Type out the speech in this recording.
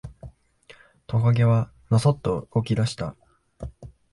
トカゲはのそっと動き出した。